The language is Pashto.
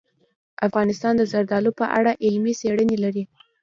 افغانستان د زردالو په اړه علمي څېړنې لري.